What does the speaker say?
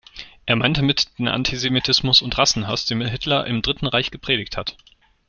Er meint damit den Antisemitismus und Rassenhass, den Hitler im Dritten Reich gepredigt hat.